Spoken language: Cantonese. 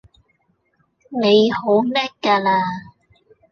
你好叻㗎啦